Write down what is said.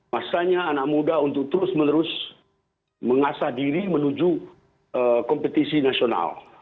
masanya anak muda untuk terus menerus mengasah diri menuju kompetisi nasional